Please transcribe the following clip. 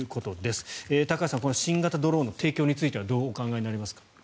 高橋さん、新型ドローンの提供についてはどう考えますか。